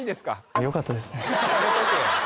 やめとけ。